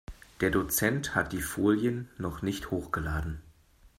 Der Dozent hat die Folien noch nicht hochgeladen.